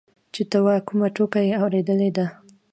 چې ته وا کومه ټوکه يې اورېدلې ده.